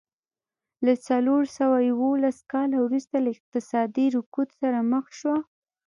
له څلور سوه یوولس کاله وروسته له اقتصادي رکود سره مخ شوه.